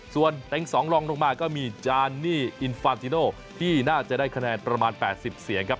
ส่วนเต็ง๒ลองลงมาก็มีจานนี่อินฟานติโนที่น่าจะได้คะแนนประมาณ๘๐เสียงครับ